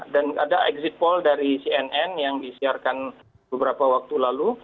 dan ada exit poll dari cnn yang disiarkan beberapa waktu lalu